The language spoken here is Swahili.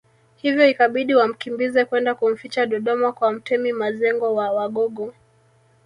Hivyo ikabidi wamkimbize kwenda kumficha Dodoma kwa Mtemi Mazengo wa Wagogo